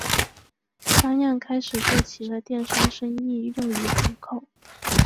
张漾开始做起了电商生意用以糊口。